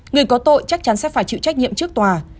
người có tội chắc chắn sẽ phải chịu trách nhiệm trước tòa